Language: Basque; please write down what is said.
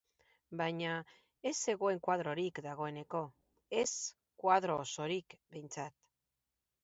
Baina ez zegoen koadrorik dagoeneko, ez koadro osorik behintzat.